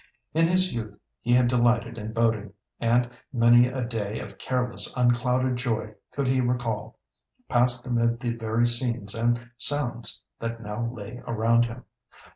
In his youth he had delighted in boating, and many a day of careless, unclouded joy could he recall, passed amid the very scenes and sounds that now lay around him.